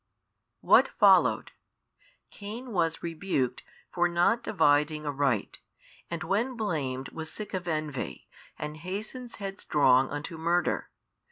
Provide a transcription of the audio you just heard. What followed? Cain was rebuked for not dividing aright, and when blamed was sick of envy, and hastens headstrong unto murder.